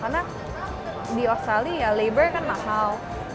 karena di australia ya labor kan mahal